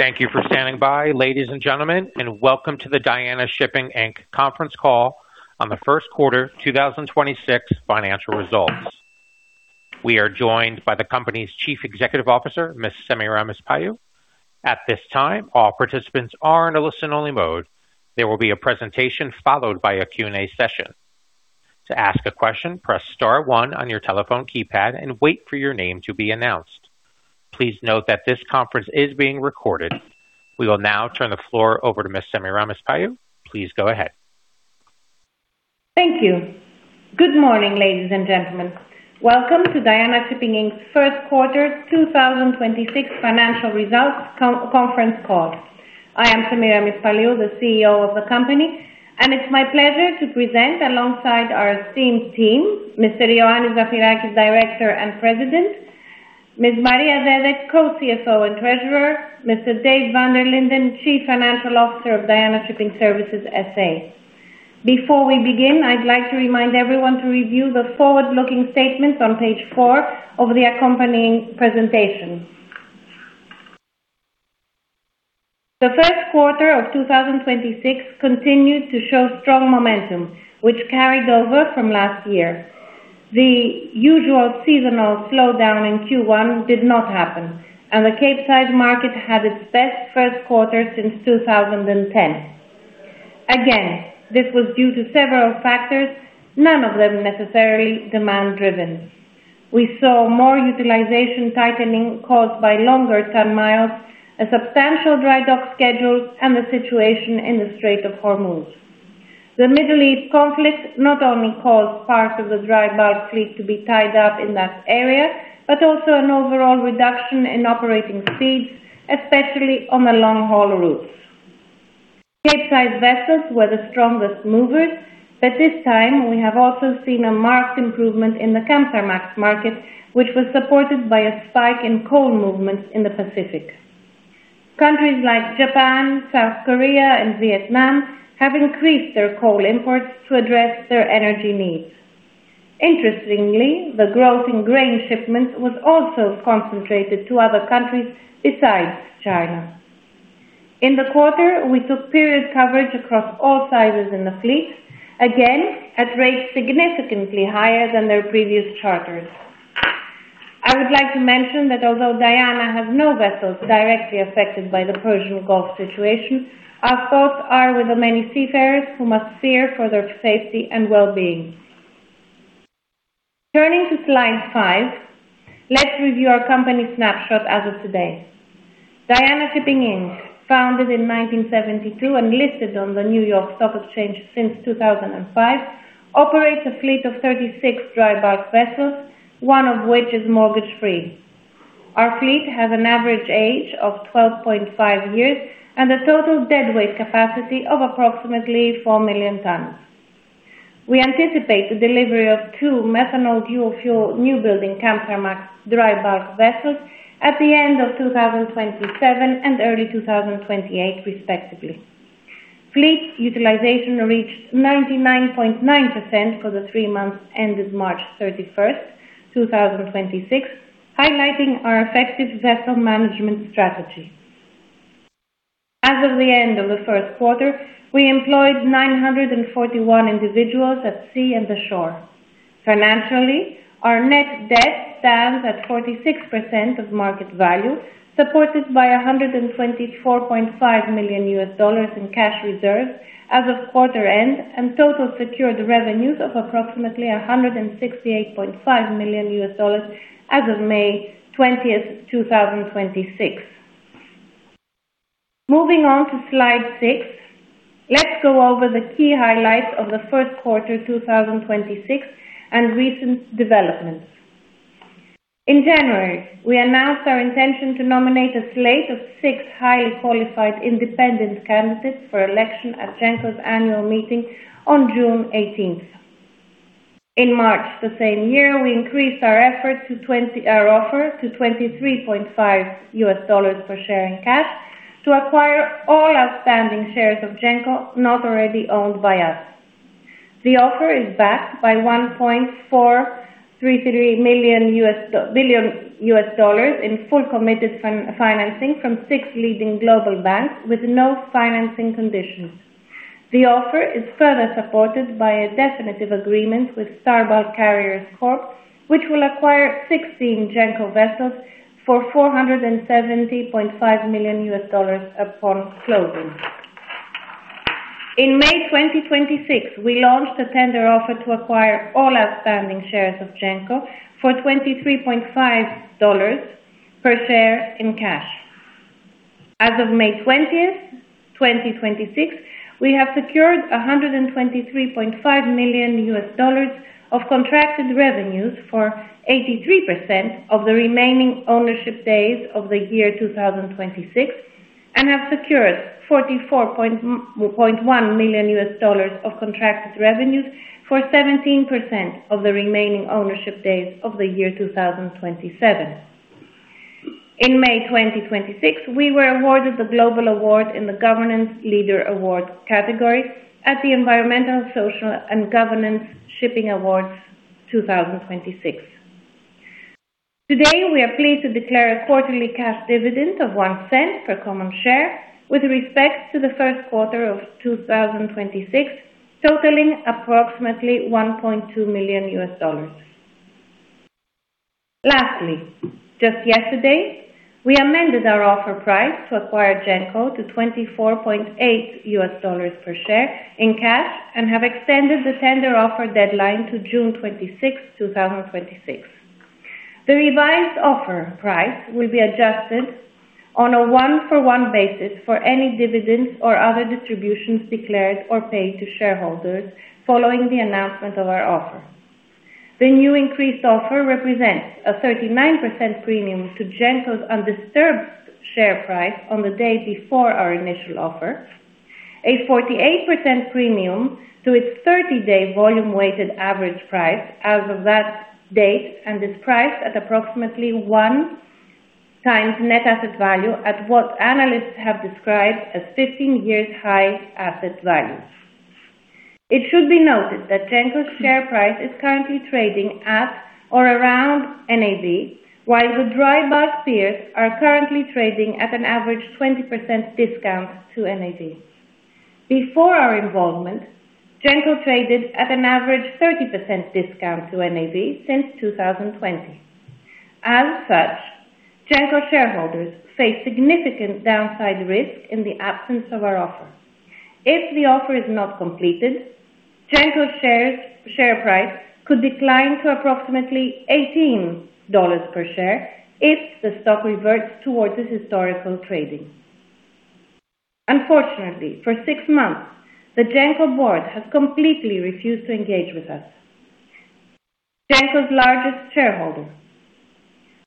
Thank you for standing by, ladies and gentlemen, and welcome to the Diana Shipping Inc conference call on the first quarter 2026 financial results. We are joined by the company's Chief Executive Officer, Ms. Semiramis Paliou. At this time, all participants are in a listen-only mode. There will be a presentation followed by a Q&A session. To ask a question, press star one on your telephone keypad and wait for your name to be announced. Please note that this conference is being recorded. We will now turn the floor over to Ms. Semiramis Paliou. Please go ahead. Thank you. Good morning, ladies and gentlemen. Welcome to Diana Shipping Inc's first quarter 2026 financial results conference call. I am Semiramis Paliou, the CEO of the company, and it's my pleasure to present alongside our esteemed team, Mr. Ioannis Zafirakis, Director and President, Ms. Maria Dede, Co-CFO and Treasurer, Mr. Dave Van der Linden, Chief Financial Officer of Diana Shipping Services SA. Before we begin, I'd like to remind everyone to review the forward-looking statements on page four of the accompanying presentation. The first quarter of 2026 continued to show strong momentum, which carried over from last year. The usual seasonal slowdown in Q1 did not happen, and the Capesize market had its best first quarter since 2010. Again, this was due to several factors, none of them necessarily demand-driven. We saw more utilization tightening caused by longer ton-miles, substantial dry dock schedules, and the situation in the Strait of Hormuz. The Middle East conflict not only caused parts of the dry bulk fleet to be tied up in that area, but also an overall reduction in operating speeds, especially on the long-haul routes. Capesize vessels were the strongest movers, but this time, we have also seen a marked improvement in the Kamsarmax market, which was supported by a spike in coal movements in the Pacific. Countries like Japan, South Korea, and Vietnam have increased their coal imports to address their energy needs. Interestingly, the growth in grain shipments was also concentrated to other countries besides China. In the quarter, we took period coverage across all sizes in the fleet, again, at rates significantly higher than their previous charters. I would like to mention that although Diana has no vessels directly affected by the Persian Gulf situation, our thoughts are with the many seafarers who must fear for their safety and well-being. Turning to slide five, let's review our company snapshot as of today. Diana Shipping Inc, founded in 1972 and listed on the New York Stock Exchange since 2005, operates a fleet of 36 dry bulk vessels, one of which is mortgage-free. Our fleet has an average age of 12.5 years and a total deadweight capacity of approximately 4 million tons. We anticipate the delivery of two methanol dual fuel new building Kamsarmax dry bulk vessels at the end of 2027 and early 2028, respectively. Fleet utilization reached 99.9% for the three months ended March 31st, 2026, highlighting our effective vessel management strategy. As of the end of the first quarter, we employed 941 individuals at sea and ashore. Financially, our net debt stands at 46% of market value, supported by $124.5 million in cash reserves as of quarter end and total secured revenues of approximately $168.5 million as of May 20th, 2026. Moving on to slide six, let's go over the key highlights of the first quarter 2026 and recent developments. In January, we announced our intention to nominate a slate of six highly qualified independent candidates for election at Genco's Annual Meeting on June 18th. In March the same year, we increased our offer to $23.5 per share in cash to acquire all outstanding shares of Genco not already owned by us. The offer is backed by $1.433 billion in fully committed financing from six leading global banks with no financing conditions. The offer is further supported by a definitive agreement with Star Bulk Carriers Corp, which will acquire 16 Genco vessels for $470.5 million upon closing. In May 2026, we launched a tender offer to acquire all outstanding shares of Genco for $23.5 per share in cash. As of May 20th, 2026, we have secured $123.5 million of contracted revenues for 83% of the remaining ownership days of the year 2026, and have secured $44.1 million of contracted revenues for 17% of the remaining ownership days of the year 2027. In May 2026, we were awarded the Global Award in the Governance Leader Award category at the Environmental, Social, and Governance Shipping Awards 2026. Today, we are pleased to declare a quarterly cash dividend of $0.01 per common share with respect to the first quarter of 2026, totaling approximately $1.2 million. Lastly, just yesterday, we amended our offer price to acquire Genco to $24.8 per share in cash and have extended the tender offer deadline to June 26th, 2026. The revised offer price will be adjusted on a one-for-one basis for any dividends or other distributions declared or paid to shareholders following the announcement of our offer. The new increased offer represents a 39% premium to Genco's undisturbed share price on the day before our initial offer, a 48% premium to its 30-day volume-weighted average price as of that date and is priced at approximately 1x net asset value at what analysts have described as 15 years' high asset value. It should be noted that Genco's share price is currently trading at or around NAV, while the dry bulk peers are currently trading at an average 20% discount to NAV. Before our involvement, Genco traded at an average 30% discount to NAV since 2020. As such, Genco shareholders face significant downside risk in the absence of our offer. If the offer is not completed, Genco share price could decline to approximately $18 per share if the stock reverts towards its historical trading. Unfortunately, for six months, the Genco board has completely refused to engage with us, Genco's largest shareholder.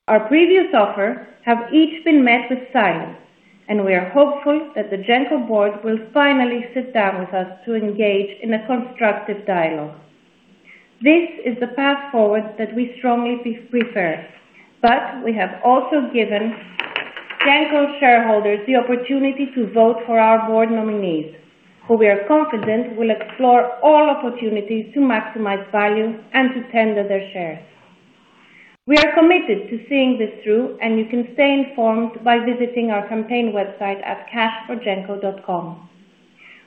Our previous offers have each been met with silence, and we are hopeful that the Genco board will finally sit down with us to engage in a constructive dialogue. This is the path forward that we strongly prefer, but we have also given Genco shareholders the opportunity to vote for our board nominees, who we are confident will explore all opportunities to maximize value and to tender their shares. We are committed to seeing this through, and you can stay informed by visiting our campaign website at cash4genco.com.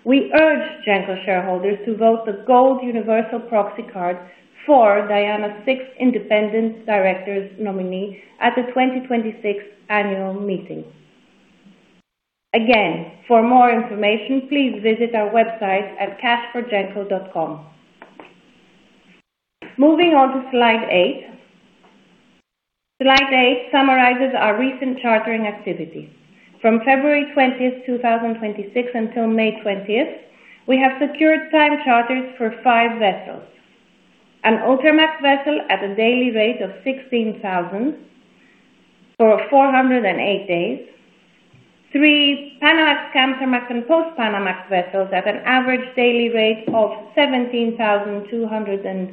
We urge Genco shareholders to vote the GOLD universal proxy card for Diana's six independent directors nominee at the 2026 Annual Meeting. Again, for more information, please visit our website at cash4genco.com. Moving on to slide eight. Slide eight summarizes our recent chartering activity. From February 20th, 2026 until May 20th, we have secured time charters for five vessels: an Ultramax vessel at a daily rate of $16,000 for 408 days; three Panamax, Kamsarmax, and Post-Panamax vessels at an average daily rate of $17,297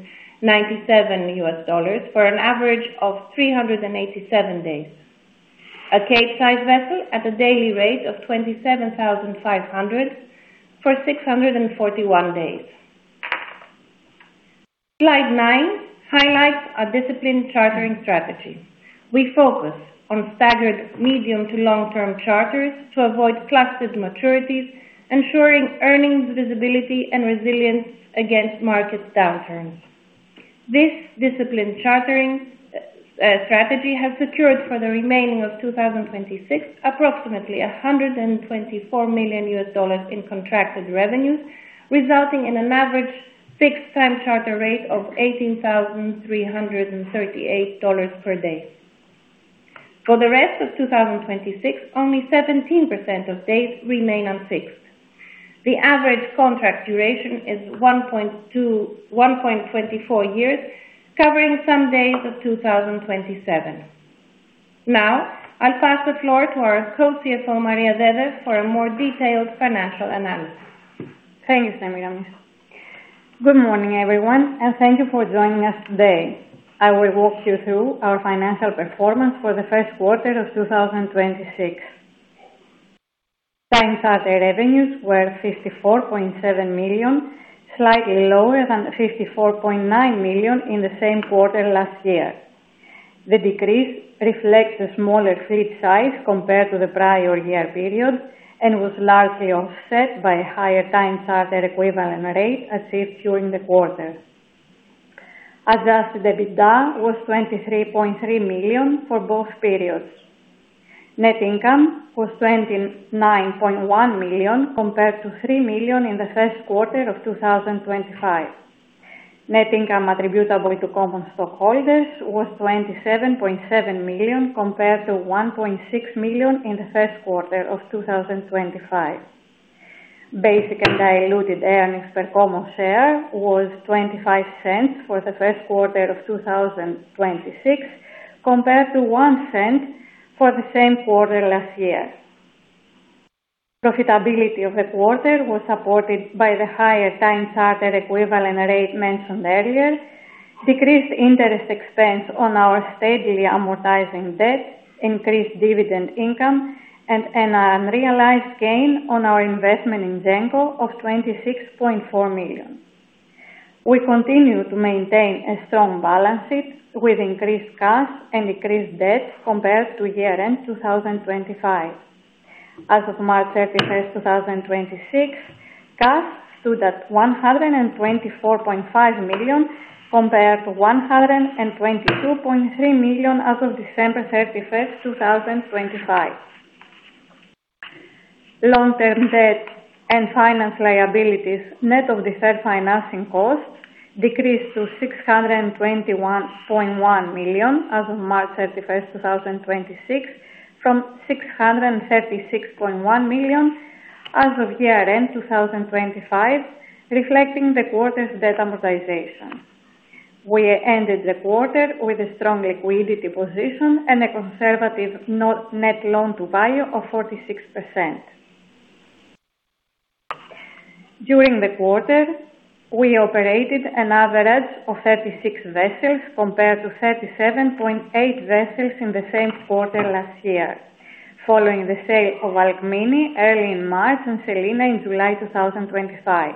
for an average of 387 days; a Capesize vessel at a daily rate of $27,500 for 641 days. Slide nine highlights our disciplined chartering strategy. We focus on staggered medium to long-term charters to avoid clustered maturities, ensuring earnings visibility and resilience against market downturns. This disciplined chartering strategy has secured for the remaining of 2026 approximately $124 million in contracted revenues, resulting in an average fixed time charter rate of $18,338/day. For the rest of 2026, only 17% of days remain unfixed. The average contract duration is 1.24 years, covering some days of 2027. Now, I'll pass the floor to our Co-CFO, Maria Dede, for a more detailed financial analysis. Thank you, Semiramis. Good morning, everyone, and thank you for joining us today. I will walk you through our financial performance for the first quarter of 2026. Time charter revenues were $54.7 million, slightly lower than $54.9 million in the same quarter last year. The decrease reflects the smaller fleet size compared to the prior-year period and was largely offset by a higher time charter equivalent rate achieved during the quarter. Adjusted EBITDA was $23.3 million for both periods. Net income was $29.1 million compared to $3 million in the first quarter of 2025. Net income attributable to common stockholders was $27.7 million compared to $1.6 million in the first quarter of 2025. Basic and diluted earnings per common share was $0.25 for the first quarter of 2026 compared to $0.01 for the same quarter last year. Profitability of the quarter was supported by the higher time charter equivalent rate mentioned earlier, decreased interest expense on our steadily amortizing debt, increased dividend income, and an unrealized gain on our investment in Genco of $26.4 million. We continue to maintain a strong balance sheet with increased cash and decreased debt compared to year-end 2025. As of March 31st, 2026, cash stood at $124.5 million compared to $122.3 million as of December 31st, 2025. Long-term debt and finance liabilities, net of deferred financing cost decreased to $621.1 million as of March 31st, 2026 from $636.1 million as of year-end 2025, reflecting the quarter's debt amortization. We ended the quarter with a strong liquidity position and a conservative net loan to value of 46%. During the quarter, we operated an average of 36 vessels compared to 37.8 vessels in the same quarter last year, following the sale of Alkmini early in March and Selina in July 2025.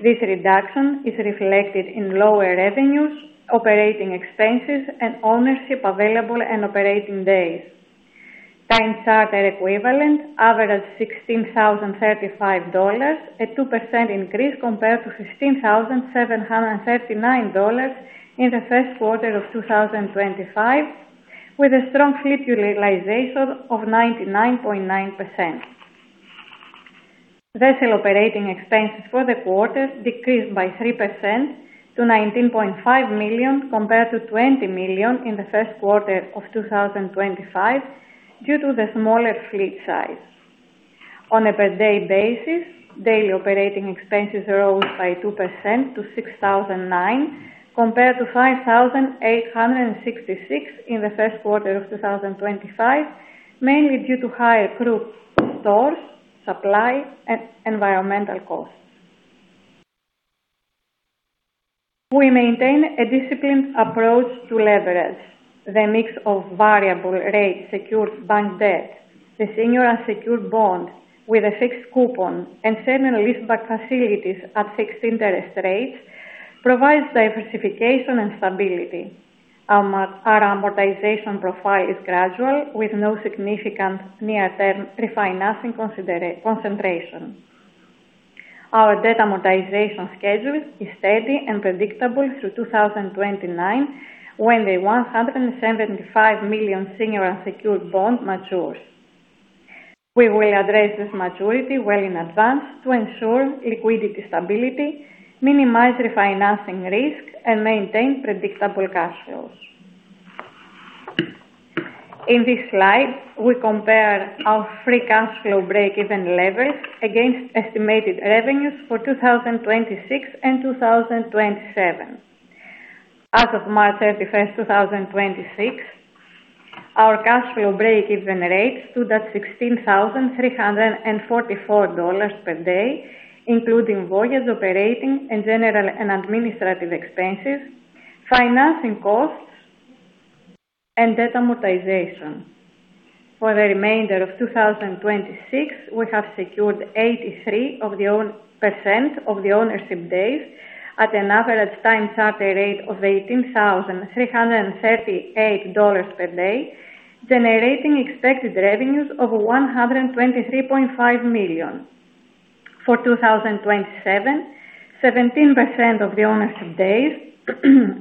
This reduction is reflected in lower revenues, operating expenses, and ownership available and operating days. Time charter equivalent averaged $16,035, a 2% increase compared to $16,739 in the first quarter of 2025, with a strong fleet utilization of 99.9%. Vessel operating expenses for the quarter decreased by 3% to $19.5 million compared to $20 million in the first quarter of 2025 due to the smaller fleet size. On a per day basis, daily operating expenses rose by 2% to $6,009, compared to $5,866 in the first quarter of 2025, mainly due to higher crew stores, supply, and environmental costs. We maintain a disciplined approach to leverage the mix of variable rate secured bank debt. The senior unsecured bond with a fixed coupon and certain leaseback facilities at fixed interest rates provides diversification and stability. Our amortization profile is gradual, with no significant near-term refinancing concentration. Our debt amortization schedule is steady and predictable through 2029, when the $175 million senior unsecured bond matures. We will address this maturity well in advance to ensure liquidity stability, minimize refinancing risks, and maintain predictable cash flows. In this slide, we compare our free cash flow break-even level against estimated revenues for 2026 and 2027. As of March 31st, 2026, our cash flow break-even rate stood at $16,344/day, including voyage operating and general and administrative expenses, financing costs, and debt amortization. For the remainder of 2026, we have secured 83% of the ownership days at an average time charter rate of $18,338/day, generating expected revenues of $123.5 million. For 2027, 17% of the ownership days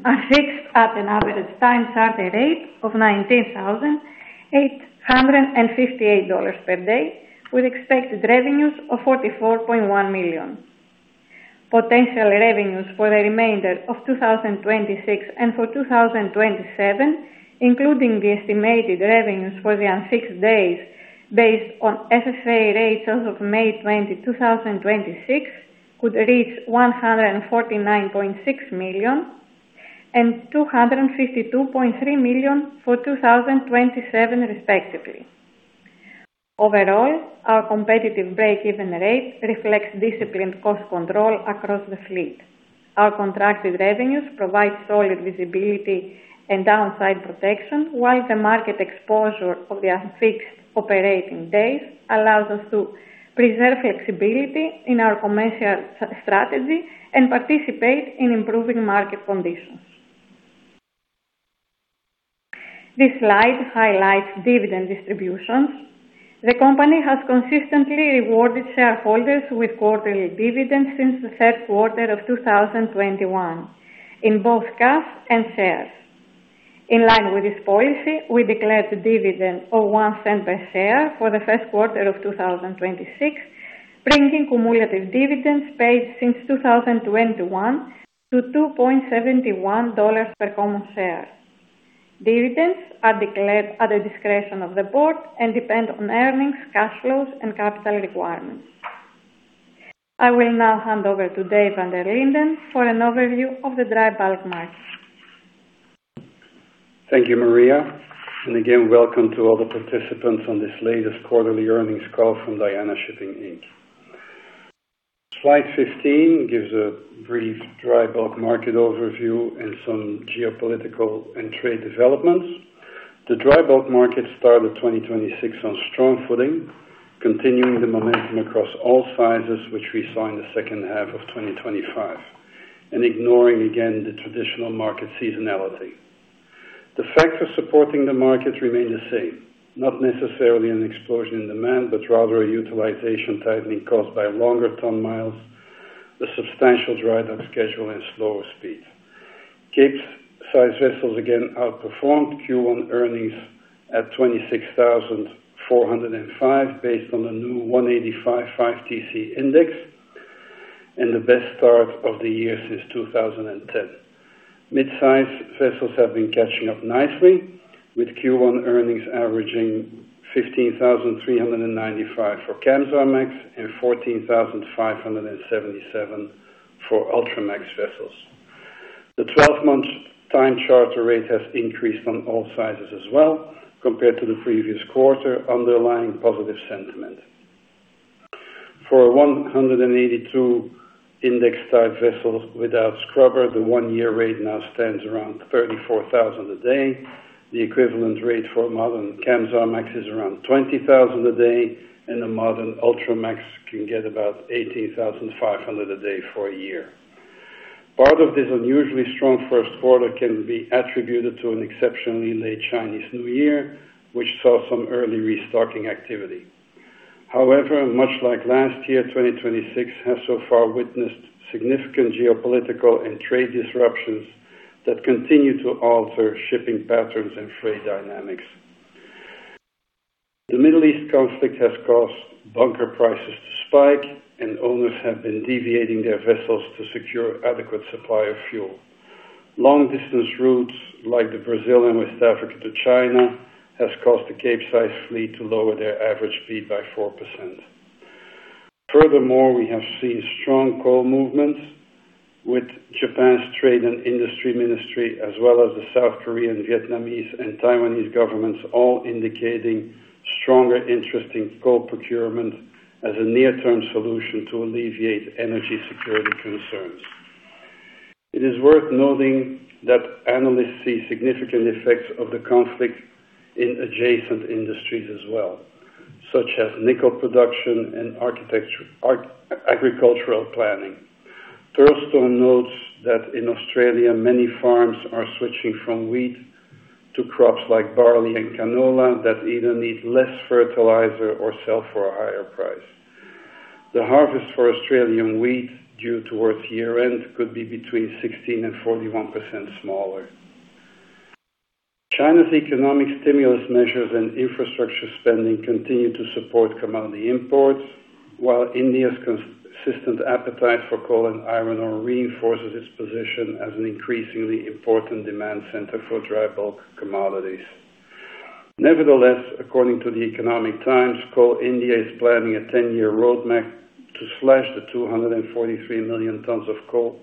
are fixed at an average time charter rate of $19,858/day, with expected revenues of $44.1 million. Potential revenues for the remainder of 2026 and for 2027, including the estimated revenues for the unfixed days based on FFA rates as of May 20, 2026, could reach $149.6 million and $252.3 million for 2027, respectively. Overall, our competitive break-even rate reflects disciplined cost control across the fleet. Our contracted revenues provide solid visibility and downside protection, while the market exposure of the unfixed operating days allows us to preserve flexibility in our commercial strategy and participate in improving market conditions. This slide highlights dividend distributions. The company has consistently rewarded shareholders with quarterly dividends since the third quarter of 2021 in both cash and shares. In line with this policy, we declared a dividend of $0.01 per share for the first quarter of 2026, bringing cumulative dividends paid since 2021 to $2.71 per common share. Dividends are declared at the discretion of the board and depend on earnings, cash flows, and capital requirements. I will now hand over to Dave Van der Linden for an overview of the dry bulk market. Thank you, Maria, and again, welcome to all the participants on this latest quarterly earnings call from Diana Shipping Inc. Slide 15 gives a brief dry bulk market overview and some geopolitical and trade developments. The dry bulk market started 2026 on strong footing, continuing the momentum across all sizes, which we saw in the second half of 2025, and ignoring again, the traditional market seasonality. The factors supporting the market remain the same, not necessarily an explosion in demand, but rather a utilization tightening caused by longer ton-miles, a substantial dry dock schedule, and slower speeds. Capesize vessels again outperformed Q1 earnings at $26,405 based on a new 180k 5TC index, and the best start of the year since 2010. Midsize vessels have been catching up nicely with Q1 earnings averaging $15,395 for Kamsarmax and $14,577 for Ultramax vessels. The 12-month time charter rate has increased on all sizes as well, compared to the previous quarter underlying positive sentiment. For 182k index type vessels without scrubber, the one-year rate now stands around $34,000/day. The equivalent rate for a modern Kamsarmax is around $20,000/day, and a modern Ultramax can get about $18,500/day for a year. Part of this unusually strong first quarter can be attributed to an exceptionally late Chinese New Year, which saw some early restocking activity. However, much like last year, 2026 has so far witnessed significant geopolitical and trade disruptions that continue to alter shipping patterns and freight dynamics. The Middle East conflict has caused bunker prices to spike, and owners have been deviating their vessels to secure adequate supply of fuel. Long distance routes like the Brazil and West Africa to China has caused the Capesize fleet to lower their average speed by 4%. Furthermore, we have seen strong coal movements with Japan's trade and industry ministry, as well as the South Korean, Vietnamese, and Taiwanese governments all indicating stronger interest in coal procurement as a near-term solution to alleviate energy security concerns. It is worth noting that analysts see significant effects of the conflict in adjacent industries as well, such as nickel production and agricultural planning. Thurlestone notes that in Australia, many farms are switching from wheat to crops like barley and canola that either need less fertilizer or sell for a higher price. The harvest for Australian wheat due towards year-end could be between 16% and 41% smaller. China's economic stimulus measures and infrastructure spending continue to support commodity imports, while India's consistent appetite for coal and iron ore reinforces its position as an increasingly important demand center for dry bulk commodities. Nevertheless, according to The Economic Times, Coal India is planning a 10-year roadmap to slash the 243 million tons of coal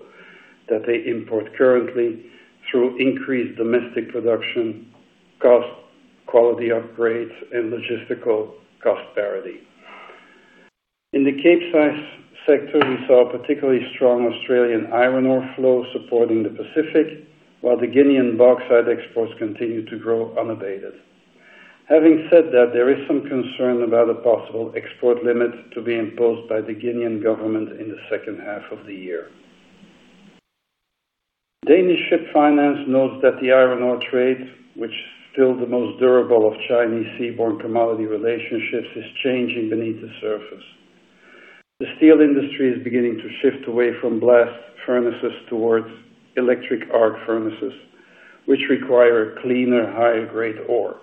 that they import currently through increased domestic production, cost, quality upgrades, and logistical cost parity. In the Capesize sector, we saw a particularly strong Australian iron ore flow supporting the Pacific, while the Guinean bauxite exports continued to grow unabated. Having said that, there is some concern about a possible export limit to be imposed by the Guinean government in the second half of the year. Danish Ship Finance notes that the iron ore trade, which still the most durable of Chinese seaborne commodity relationships, is changing beneath the surface. The steel industry is beginning to shift away from blast furnaces towards electric arc furnaces, which require cleaner, higher-grade ore.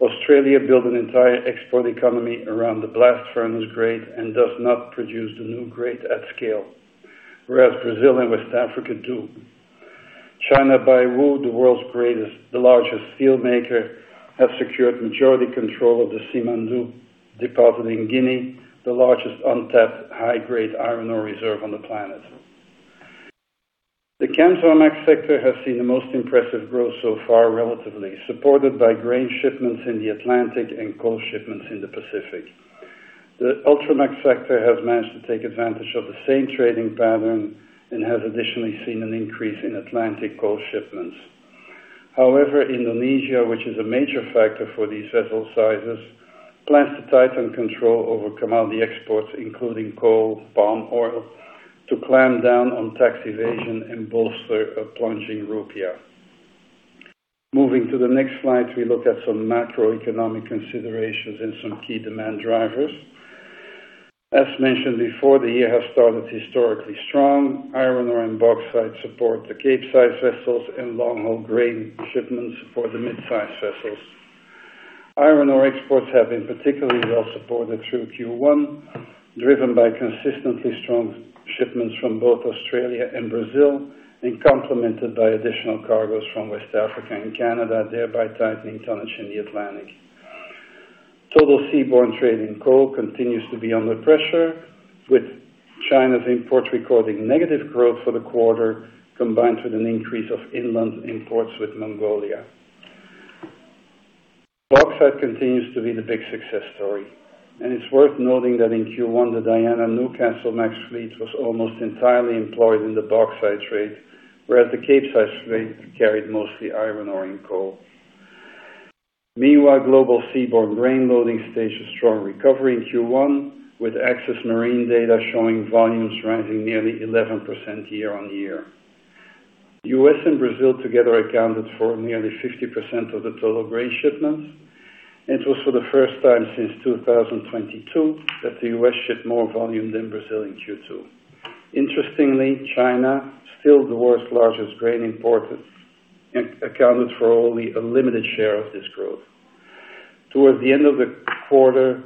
Australia built an entire export economy around the blast furnace grade and does not produce the new grade at scale, whereas Brazil and West Africa do. China Baowu, the world's greatest, largest steel maker, has secured majority control of the Simandou deposit in Guinea, the largest untapped high-grade iron ore reserve on the planet. The Kamsarmax sector has seen the most impressive growth so far, relatively, supported by grain shipments in the Atlantic and coal shipments in the Pacific. The Ultramax sector has managed to take advantage of the same trading pattern and has additionally seen an increase in Atlantic coal shipments. However, Indonesia, which is a major factor for these vessel sizes, plans to tighten control over commodity exports, including coal, palm oil, to clamp down on tax evasion and bolster a plunging rupiah. Moving to the next slide, we look at some macroeconomic considerations and some key demand drivers. As mentioned before, the year has started historically strong. Iron ore and bauxite support the Capesize vessels and long-haul grain shipments for the mid-size vessels. Iron ore exports have been particularly well supported through Q1, driven by consistently strong shipments from both Australia and Brazil, and complemented by additional cargoes from West Africa and Canada, thereby tightening tonnage in the Atlantic. Total seaborne trade in coal continues to be under pressure, with China's imports recording negative growth for the quarter, combined with an increase of inland imports with Mongolia. Bauxite continues to be the big success story, and it's worth noting that in Q1, the Diana Newcastlemax fleet was almost entirely employed in the bauxite trade, whereas the Capesize fleet carried mostly iron ore and coal. Meanwhile, global seaborne grain loading staged a strong recovery in Q1, with AXSMarine data showing volumes rising nearly 11% year-on-year. U.S. and Brazil together accounted for nearly 50% of the total grain shipments. It was for the first time since 2022 that the U.S. shipped more volume than Brazil in Q2. Interestingly, China, still the world's largest grain importer, accounted for only a limited share of this growth. Towards the end of the quarter,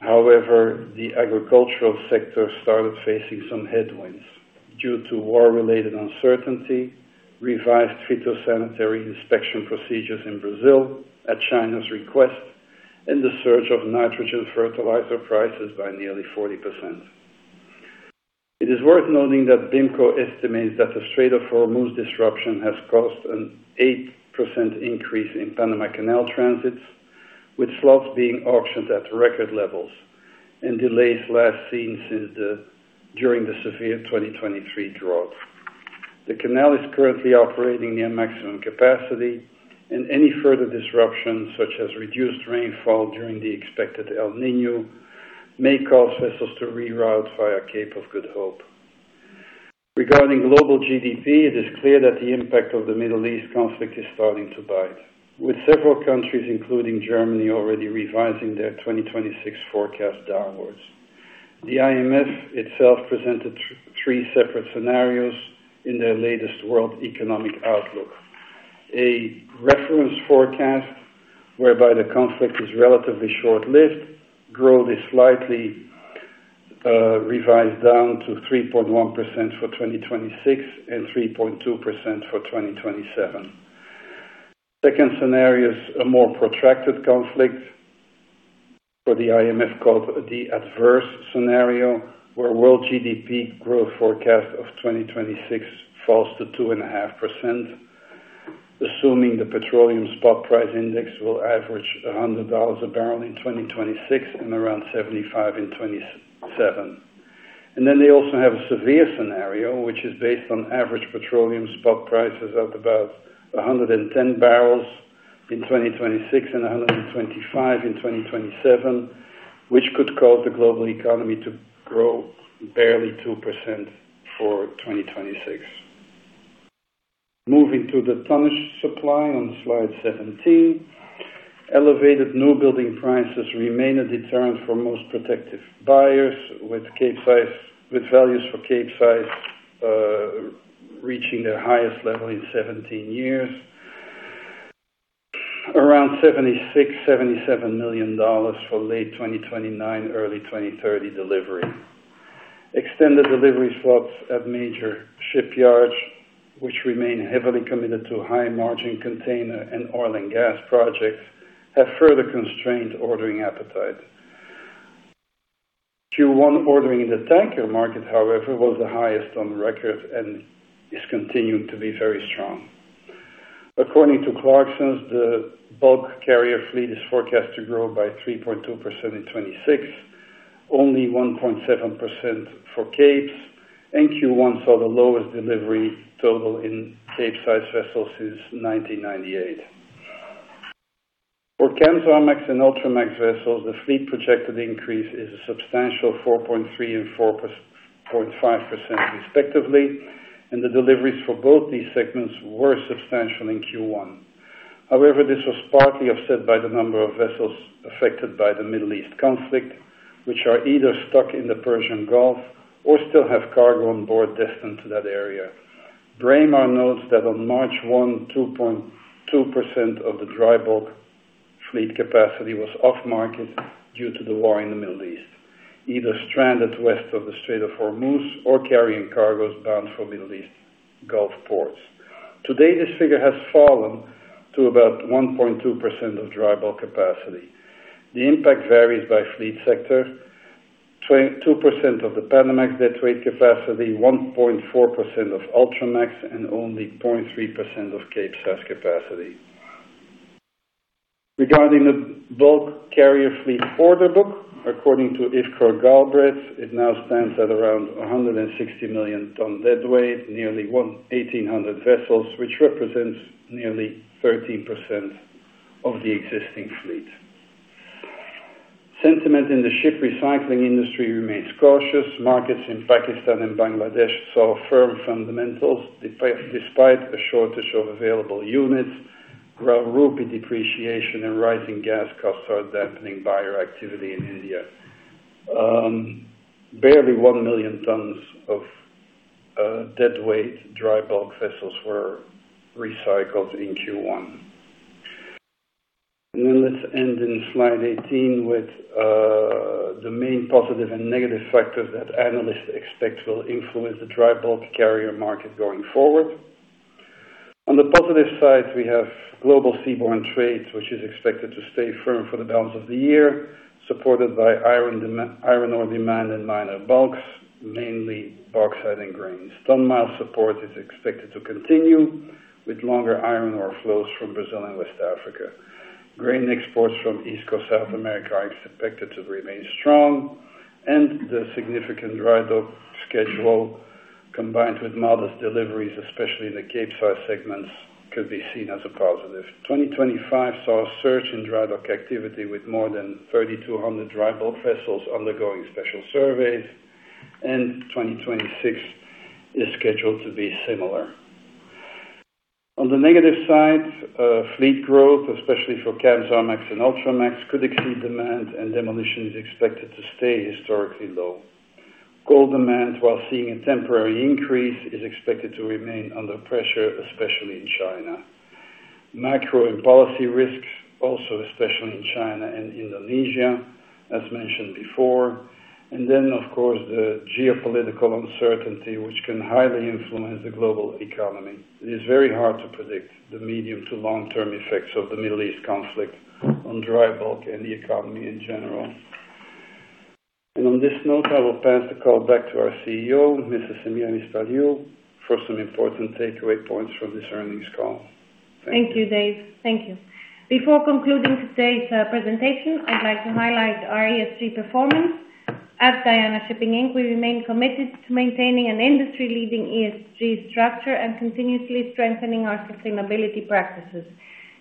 however, the agricultural sector started facing some headwinds due to war-related uncertainty, revised phytosanitary inspection procedures in Brazil at China's request, and the surge of nitrogen fertilizer prices by nearly 40%. It is worth noting that BIMCO estimates that the Strait of Hormuz disruption has caused an 8% increase in Panama Canal transits, with slots being auctioned at record levels and delays last seen during the severe 2023 drought. The canal is currently operating at maximum capacity, and any further disruptions, such as reduced rainfall during the expected El Niño, may cause vessels to reroute via Cape of Good Hope. Regarding global GDP, it is clear that the impact of the Middle East conflict is starting to bite, with several countries, including Germany, already revising their 2026 forecast downwards. The IMF itself presented three separate scenarios in their latest World Economic Outlook. A reference forecast whereby the conflict is relatively short-lived, growth is slightly revised down to 3.1% for 2026 and 3.2% for 2027. Second scenario is a more protracted conflict for the IMF, called the adverse scenario, where world GDP growth forecast of 2026 falls to 2.5%, assuming the petroleum spot price index will average $100/bbl in 2026 and around $75/bbl in 2027. They also have a severe scenario, which is based on average petroleum spot prices of about $110/bbl in 2026 and $125/bbl in 2027, which could cause the global economy to grow barely 2% for 2026. Moving to the tonnage supply on slide 17. Elevated new building prices remain a deterrent for most protective buyers, with values for Capesize reaching their highest level in 17 years, around $76 million, $77 million for late 2029 and early 2030 delivery. Extended delivery slots at major shipyards, which remain heavily committed to high-margin container and oil and gas projects, have further constrained ordering appetite. Q1 ordering in the tanker market, however, was the highest on record and is continuing to be very strong. According to Clarksons, the bulk carrier fleet is forecast to grow by 3.2% in 2026, only 1.7% for Capes, and Q1 saw the lowest delivery total in Capesize vessels since 1998. For Kamsarmax and Ultramax vessels, the fleet projected increase is a substantial 4.3% and 4.5% respectively, and the deliveries for both these segments were substantial in Q1. However, this was partly offset by the number of vessels affected by the Middle East conflict, which are either stuck in the Persian Gulf or still have cargo on board destined to that area. Braemar notes that on March 1, 2.2% of the dry bulk fleet capacity was off market due to the war in the Middle East, either stranded west of the Strait of Hormuz or carrying cargoes bound for Middle East Gulf ports. To date, this figure has fallen to about 1.2% of dry bulk capacity. The impact varies by fleet sector: 2% of the Panamax deadweight capacity, 1.4% of Ultramax, and only 0.3% of Capesize capacity. Regarding the bulk carrier fleet order book, according to IFCHOR GALBRAITHS, it now stands at around 160-million-ton deadweight, nearly 1,800 vessels, which represents nearly 13% of the existing fleet. Sentiment in the ship recycling industry remains cautious. Markets in Pakistan and Bangladesh saw firm fundamentals despite a shortage of available units, while rupee depreciation and rising gas costs are dampening buyer activity in India. Barely 1 million tons of deadweight dry bulk vessels were recycled in Q1. Then let's end in slide 18 with the main positive and negative factors that analysts expect will influence the dry bulk carrier market going forward. On the positive side, we have global seaborne trade, which is expected to stay firm for the balance of the year, supported by iron ore demand and minor bulks, mainly bauxite and grains. Ton-mile support is expected to continue, with longer iron ore flows from Brazil and West Africa. Grain exports from East Coast South America are expected to remain strong, and the significant drydock schedule, combined with modest deliveries, especially in the Capesize segments, could be seen as a positive. 2025 saw a surge in drydock activity with more than 3,200 dry bulk vessels undergoing special surveys, and 2026 is scheduled to be similar. On the negative side, fleet growth, especially for Kamsarmax and Ultramax, could exceed demand, and demolition is expected to stay historically low. Coal demand, while seeing a temporary increase, is expected to remain under pressure, especially in China. Macro and policy risks also, especially in China and Indonesia, as mentioned before, then of course, the geopolitical uncertainty, which can highly influence the global economy. It is very hard to predict the medium to long-term effects of the Middle East conflict on dry bulk and the economy in general. On this note, I will pass the call back to our CEO, Mrs. Semiramis Paliou, for some important takeaway points from this earnings call. Thank you. Thank you, Dave. Thank you. Before concluding today's presentation, I'd like to highlight our ESG performance. At Diana Shipping Inc, we remain committed to maintaining an industry-leading ESG structure and continuously strengthening our sustainability practices.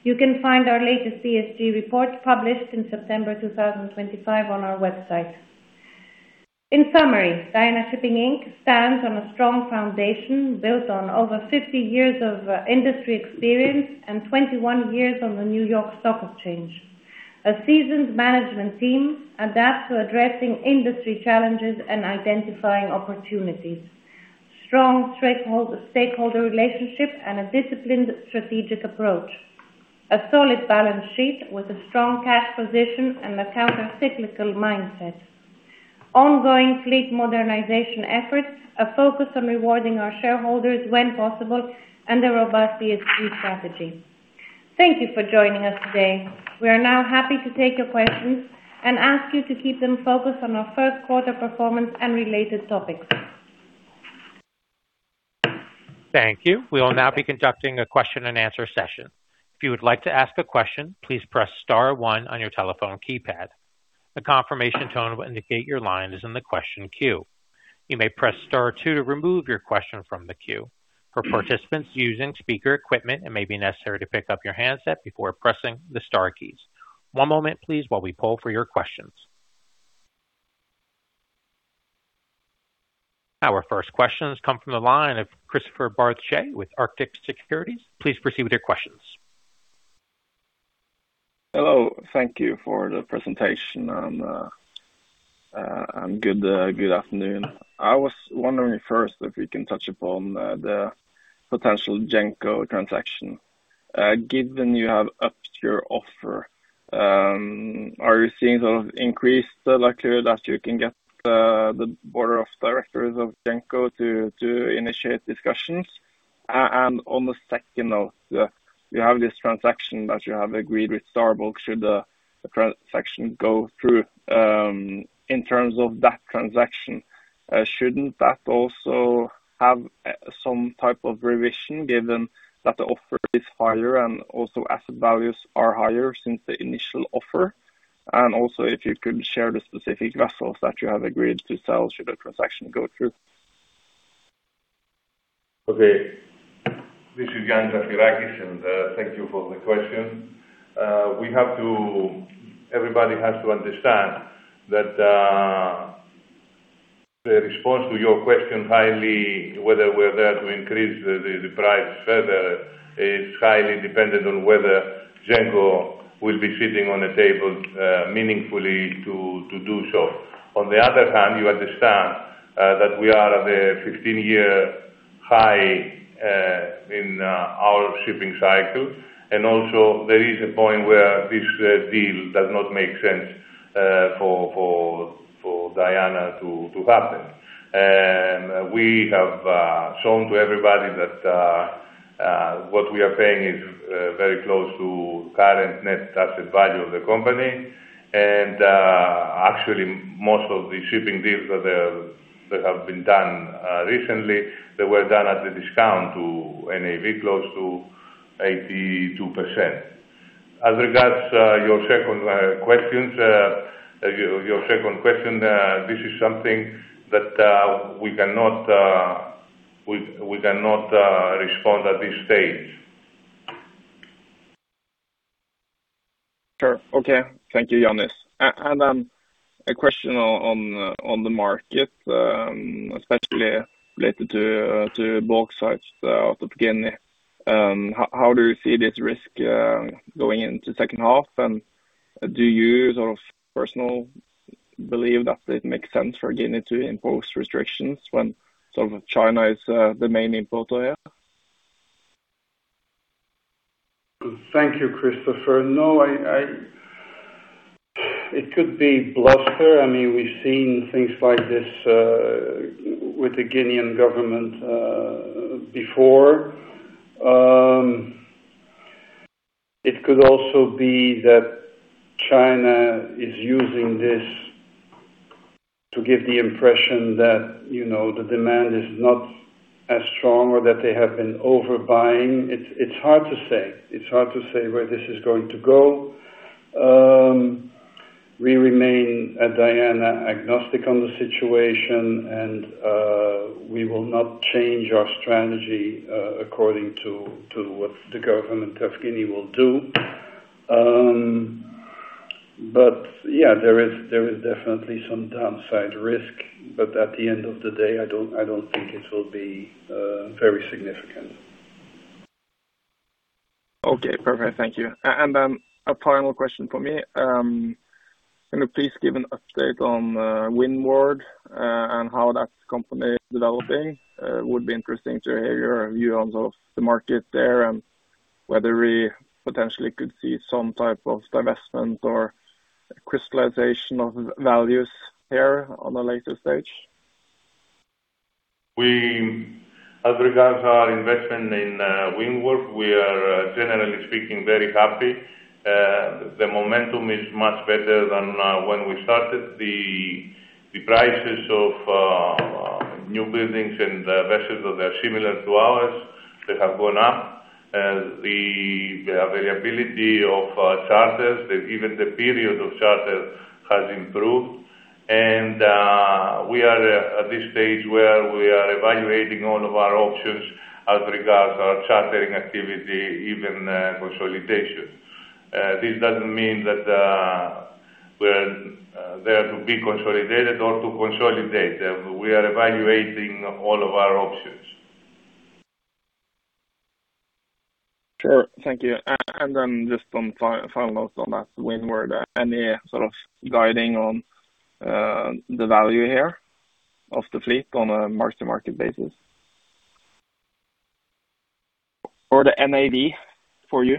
You can find our latest ESG Report published in September 2025 on our website. In summary, Diana Shipping Inc stands on a strong foundation built on over 50 years of industry experience and 21 years on the New York Stock Exchange, a seasoned management team adapts to addressing industry challenges and identifying opportunities, strong stakeholder relationships and a disciplined strategic approach, a solid balance sheet with a strong cash position and a counter-cyclical mindset, ongoing fleet modernization efforts, a focus on rewarding our shareholders when possible, and a robust ESG strategy. Thank you for joining us today. We are now happy to take your questions and ask you to keep them focused on our first quarter performance and related topics. Thank you. We will now be conducting a question-and-answer session. If you would like to ask a question, please press star one on your telephone keypad. A confirmation tone will indicate your line is in the question queue. You may press star two to remove your question from the queue. For participants using a speaker equipment, it may be necessary to pick up your handset before pressing the star keys. One moment please while we poll for your questions. Our first questions come from the line of Kristoffer Barth Skeie with Arctic Securities. Please proceed with your questions. Hello. Thank you for the presentation and good afternoon. I was wondering first if we can touch upon the potential Genco transaction. Given you have upped your offer, are you seeing an increased likelihood that you can get the Board of Directors of Genco to initiate discussions? On the second note, you have this transaction that you have agreed with Star Bulk should the transaction go through. In terms of that transaction, shouldn't that also have some type of revision given that the offer is higher and also asset values are higher since the initial offer? Also, if you could share the specific vessels that you have agreed to sell should the transaction go through. Okay. This is Ioannis Zafirakis, thank you for the question. Everybody has to understand that the response to your question, whether we're there to increase the price further, is highly dependent on whether Genco will be sitting on a table meaningfully to do so. On the other hand, you understand that we are at a 15-year high in our shipping cycle, and also there is a point where this deal does not make sense for Diana to happen. We have shown to everybody that what we are paying is very close to current net asset value of the company. Actually, most of the shipping deals that have been done recently, they were done at a discount to NAV close to 82%. As regards your second question, this is something that we cannot respond at this stage. Sure. Okay. Thank you, Ioannis. A question on the market, especially related to bauxites out of Guinea. How do you see this risk going into second half, and do you sort of personally believe that it makes sense for Guinea to impose restrictions when China is the main importer here? Thank you, Kristoffer. No, it could be bluster. We've seen things like this with the Guinean government before. It could also be that China is using this to give the impression that the demand is not as strong or that they have been overbuying. It's hard to say, it's hard to say where this is going to go. We remain, at Diana, agnostic on the situation, and we will not change our strategy according to what the government of Guinea will do. But, yeah, there is definitely some downside risk, but at the end of the day, I don't think it will be very significant. Okay, perfect. Thank you. Then a final question from me. Can you please give an update on Windward and how that company is developing? It would be interesting to hear your view on the market there and whether we potentially could see some type of divestment or crystallization of values there on a later stage. We, as regards our investment in Windward, we are, generally speaking, very happy. The momentum is much better than when we started. The prices of new buildings and vessels that are similar to ours, they have gone up. The availability of charters, even the period of charter, has improved. We are at this stage where we are evaluating all of our options as regards our chartering activity, even consolidation. This doesn't mean that they're to be consolidated or to consolidate. We are evaluating all of our options. Sure. Thank you. Just some final notes on that Windward, any sort of guiding on the value here of the fleet on a mark-to-market basis? Or the NAV for you?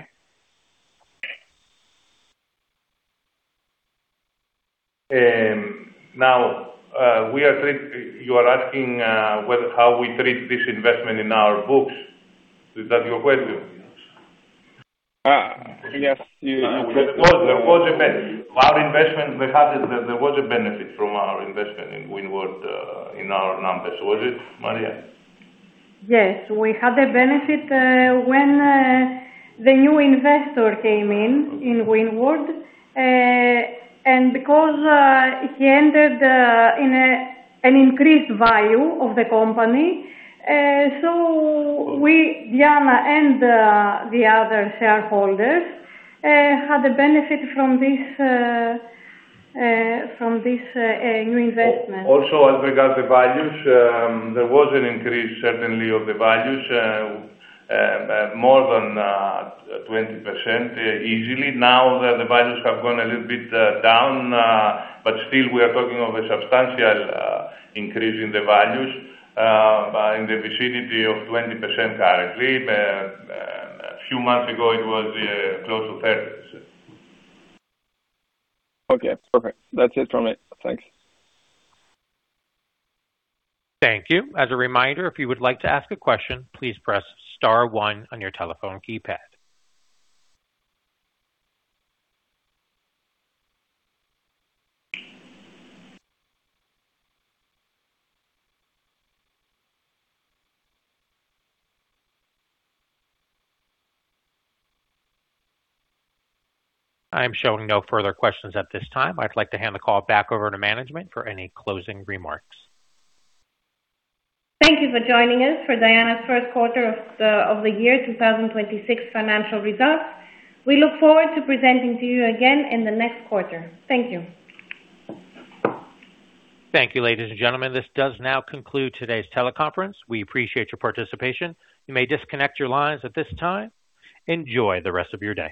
You are asking how we treat this investment in our books. Is that your question? Yes. There was a benefit from our investment in Windward in our numbers. Was it, Maria? Yes. We had a benefit when the new investor came in in Windward. Because he entered an increased value of the company, so we, Diana, and the other shareholders, had a benefit from this new investment. Also, as regards the values, there was an increase, certainly, of the values, more than 20% easily. Now, the values have gone a little bit down. Still, we are talking of a substantial increase in the values in the vicinity of 20% currently. A few months ago, it was close to 30%. Okay, perfect. That's it from me. Thanks. Thank you. As a reminder, if you would like to ask a question, please press star one on your telephone keypad. I am showing no further questions at this time. I'd like to hand the call back over to management for any closing remarks. Thank you for joining us for Diana's first quarter of the year 2026 financial results. We look forward to presenting to you again in the next quarter. Thank you Thank you, ladies and gentlemen. This does now conclude today's teleconference. We appreciate your participation. You may disconnect your lines at this time. Enjoy the rest of your day.